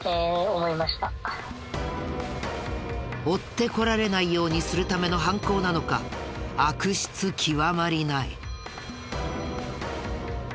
追ってこられないようにするための犯行なのか悪質極まりない。